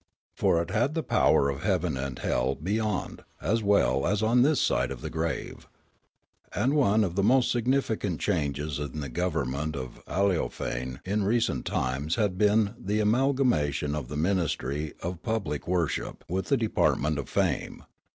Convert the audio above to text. For it had the power of heaven and hell be5 ond as well as on this side of the grave. And one of the most significant changes in the government of Aleofane in recent times had been the amalgamation of the ministry of public worship with the department of fame.